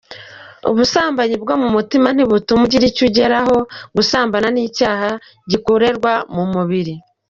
Ubusambanyi bwo mu mutima ntibutuma ugira icyo ugeraho, gusambana ni icyaha gikorerwa mu mubiri.